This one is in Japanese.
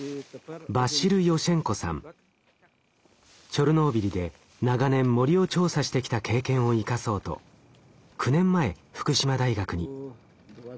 チョルノービリで長年森を調査してきた経験を生かそうと９年前福島大学に。